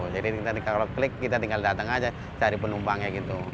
jadi kalau kita klik kita tinggal datang aja cari penumpangnya gitu